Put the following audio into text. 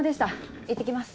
いってきます。